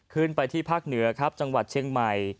ขึ้นไปที่พรรภ์เหนือทางจังหวัดเชียงใหม่